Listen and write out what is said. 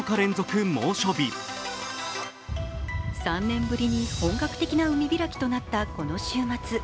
３年ぶりに本格的な海開きとなったこの週末。